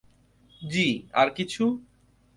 জী, আর কিছু?